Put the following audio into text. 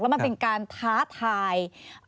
มันเป็นการท้าทาย